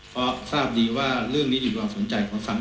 เพราะทราบดีว่าเรื่องนี้อยู่ในความสนใจของสังคม